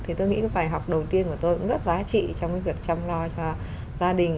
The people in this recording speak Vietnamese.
thì tôi nghĩ cái bài học đầu tiên của tôi cũng rất giá trị trong cái việc chăm lo cho gia đình